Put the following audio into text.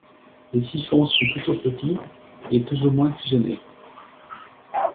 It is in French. Les siphons sont plutôt petits et plus ou moins fusionnés.